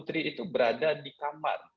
jadi itu berada di kamar